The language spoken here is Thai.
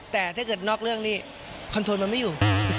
แต่ถ้าเกิดนอกเรื่องนี้คอนโทรมันไม่อยู่